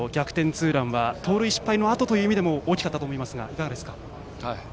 ツーランは盗塁失敗のあとという意味でも大きかったと思いますがいかがですか？